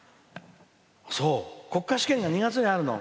国家試験が２月にあるの。